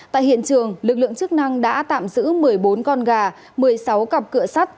tại hiện trường lực lượng chức năng đã tạm giữ một mươi bốn con gà một mươi sáu cặp cửa sắt